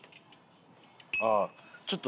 ああちょっと。